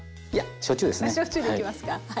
焼酎でいきますかはい。